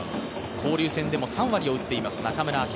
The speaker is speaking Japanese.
交流戦でも３割を打っています中村晃。